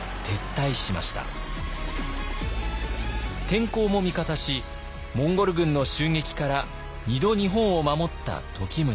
天候も味方しモンゴル軍の襲撃から２度日本を守った時宗。